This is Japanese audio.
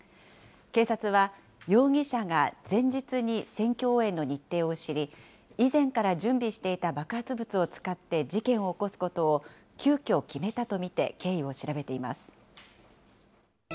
警察は容疑者が前日に選挙応援の日程を知り、以前から準備していた爆発物を使って事件を起こすことを急きょ決めたと見て経緯を調べています。